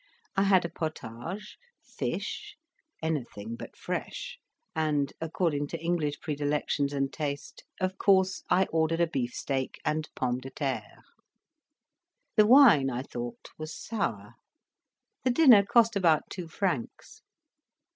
I had a potage, fish anything but fresh, and, according to English predilections and taste, of course I ordered a beef steak and pommes de terre. The wine, I thought, was sour. The dinner cost about two francs.